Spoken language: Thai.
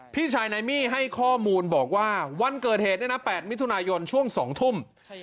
พี่ชายนายมี่ให้ข้อมูลบอกว่าวันเกิดเหตุเนี่ยนะ๘มิถุนายนช่วง๒ทุ่ม